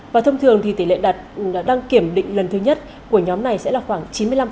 và thông thường thì tỷ lệ đặt đăng kiểm định lần thứ nhất của nhóm này sẽ là khoảng chín mươi năm